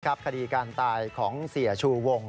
ดีกลับครบคดีการตายของเสียชูวง